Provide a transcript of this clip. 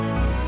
tenang kan ari